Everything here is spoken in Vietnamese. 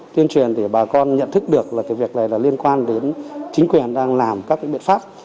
tuyên truyền để bà con nhận thức được là cái việc này là liên quan đến chính quyền đang làm các biện pháp